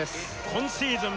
今シーズン